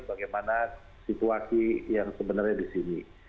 bagaimana situasi yang sebenarnya di sini